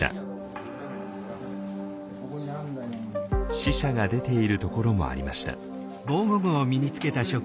死者が出ているところもありました。